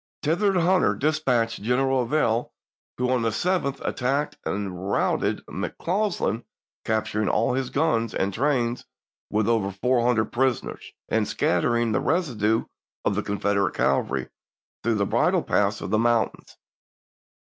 Thither Hunter dispatched General Averill, who on the 7th attacked and routed Mc Causland, capturing all his gnns and trains with over four hundred prisoners, and scattering the residue of the Confederate cavalry through the bridle paths of the mountains.